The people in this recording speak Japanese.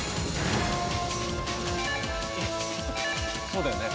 そうだよね。